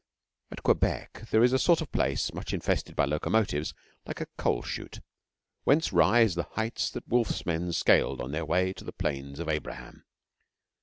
At Quebec there is a sort of place, much infested by locomotives, like a coal chute, whence rise the heights that Wolfe's men scaled on their way to the Plains of Abraham.